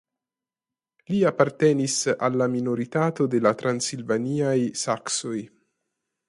Li apartenis al la minoritato de la transilvaniaj saksoj.